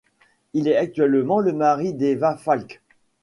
Il est actuellement le mari d'Eva Falk.